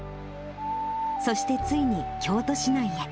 そしてついに京都市内へ。